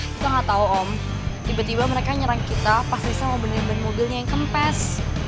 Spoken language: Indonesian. saya nggak tahu om tiba tiba mereka menyerang kita pas risa mau bernyembah mobilnya yang kempes